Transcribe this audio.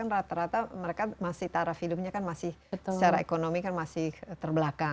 rata rata mereka masih taraf hidupnya kan masih secara ekonomi kan masih terbelakang